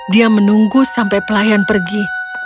dia menunggu sampai pelayan pergi